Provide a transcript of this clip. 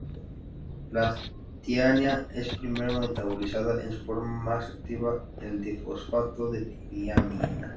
La tiamina es primero metabolizada en su forma más activa, el difosfato de tiamina.